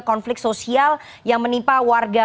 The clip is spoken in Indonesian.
konflik sosial yang menimpa warga